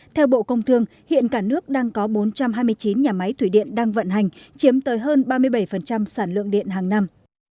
theo bộ công thương hiện cả nước đang có bốn trăm hai mươi chín nhà máy thủy điện đang vận hành chiếm tới hơn ba mươi bảy sản lượng điện hàng năm